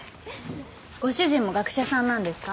ご主人も学者さんなんですか？